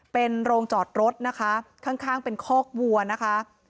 เป็นโรงจอดรถนะคะข้างเป็นคอกวัวนะคะ